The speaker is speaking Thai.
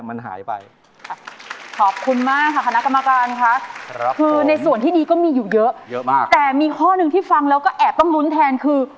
ครับคุณคือในส่วนที่ดีก็มีอยู่เยอะเยอะมากแต่มีข้อนึงที่ฟังแล้วก็แอบปำลุ้นแทนคือ